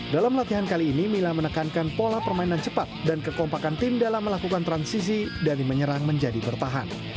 dalam latihan kali ini mila menekankan pola permainan cepat dan kekompakan tim dalam melakukan transisi dari menyerang menjadi bertahan